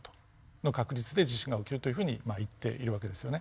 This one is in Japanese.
の確率で地震が起きるというふうに言っている訳ですよね。